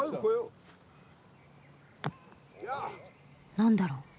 何だろう？